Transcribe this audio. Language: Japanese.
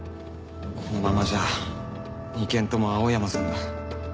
このままじゃ２件とも青山さんが。